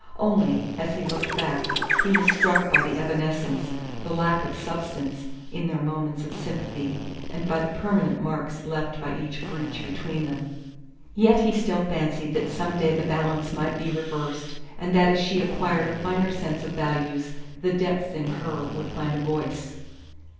Only, as he looked back, he was struck by the evanescence, the lack of substance, in their moments of sympathy, and by the permanent marks left by each breach between them. Yet he still fancied that some day the balance might be reversed, and that as she acquired a finer sense of values the depths in her would find a voice.